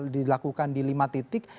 dilakukan di lima titik